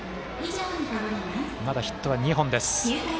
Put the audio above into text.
まだヒットは２本です。